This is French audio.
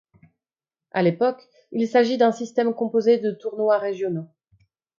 À l'époque, il s'agit d'un système composé de tournois régionaux.